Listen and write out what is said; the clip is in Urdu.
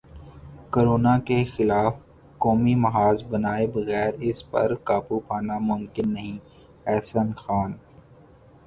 کورونا کے خلاف قومی محاذ بنائے بغیر اس پر قابو پانا ممکن نہیں احسن خان